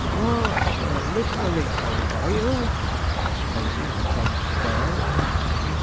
'What, you're a literary cove, are you?' asked Facey, in a tone of surprise.